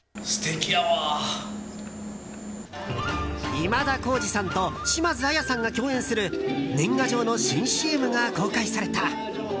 今田耕司さんと島津亜矢さんが共演する年賀状の新ＣＭが公開された。